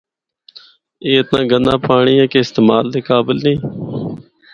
اے اتنا گندا پانڑی اے کہ استعمال دے قابل نیں۔